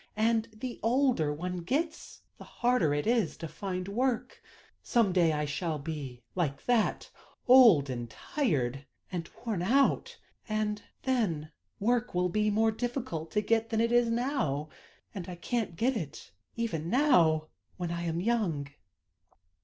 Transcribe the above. And the older one gets, the harder it is to find work. Some day I shall be like that, old, and tired, and worn out; and then work will be more difficult to get than it is now and I can't get it even now when I am young."